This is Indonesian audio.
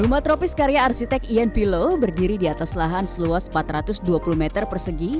rumah tropis karya arsitek ian pilo berdiri di atas lahan seluas empat ratus dua puluh meter persegi